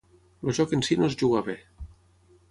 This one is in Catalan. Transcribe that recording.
El joc en si no es juga bé.